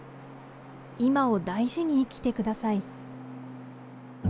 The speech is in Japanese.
今を大事に生きてください。